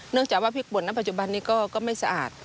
เนื่องจากว่าพริกปล่นนั้นปัจจุบันนี้ก็ไม่สะอาด